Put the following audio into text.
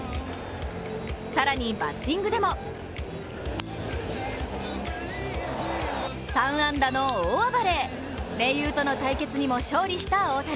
更にバッティングでも３安打の大暴れ、盟友との対決にも勝利した大谷。